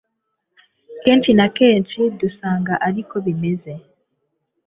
kenshi na kenshi dusanga ariko bimeze